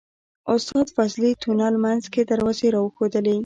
استاد فضلي تونل منځ کې دروازې راوښودلې.